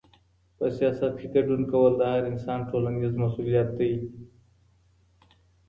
په سياست کي ګډون کول د هر انسان ټولنيز مسؤوليت دی.